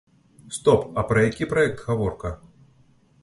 Стоп, а пра які праект гаворка?